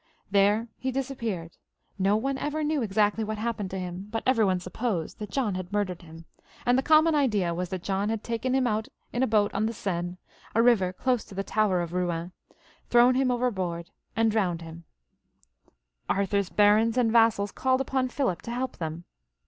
There he disappeared; no one ever knew exactly what had happened to him, but every one supposed that John had murdered him, and the common idea was that John had taken him out in a boat on the Seine, a river dose to the tower of Bouen, thrown him overboard, and drowned him. H 98 PHILIP IL {AUGUSTE), [ch. ■—\ Arthur's barons and vassals called upon Philip to help them.